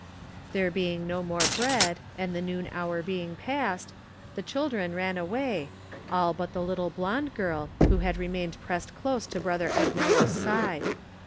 There being no more bread, and the noon hour being past, the children ran away, all but the little blond girl, who had remained pressed close to Brother Agnello's side.